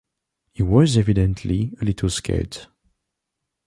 He was evidently a little scared.